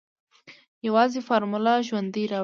يوازې فارموله ژوندۍ راوړه.